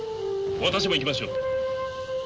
私も行きましょう。